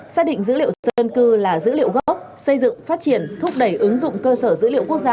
xác định dữ liệu dân cư là dữ liệu gốc xây dựng phát triển thúc đẩy ứng dụng cơ sở dữ liệu quốc gia